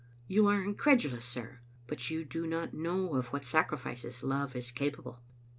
You are incredulous, sir; but yqu do not know of what sacrifices love is capable."